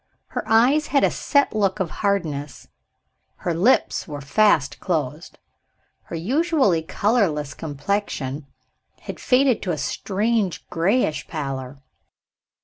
Her eyes had a set look of hardness; her lips were fast closed; her usually colorless complexion had faded to a strange grayish pallor.